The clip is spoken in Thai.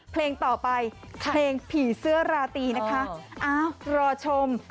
เพลงต่อไปเพลงผีเสื้อราตีนะคะอ้าวรอชม